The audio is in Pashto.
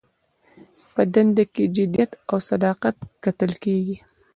په دنده کې جدیت او صداقت کتل کیږي.